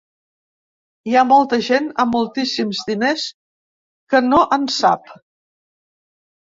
Hi ha molta gent amb moltíssims diners que no en sap.